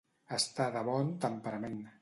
Estar de bon temperament.